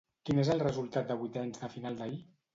Quin és el resultat de vuitens de final d'ahir?